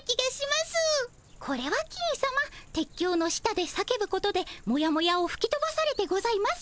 これは金さま鉄橋の下で叫ぶことでもやもやをふきとばされてございます。